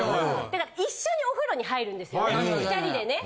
だから一緒にお風呂に入るんですよね。